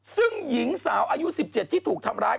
ซึ่งหญิงสาวอายุ๑๗ที่ถูกทำร้าย